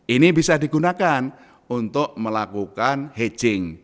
ini bisa digunakan untuk melakukan hedging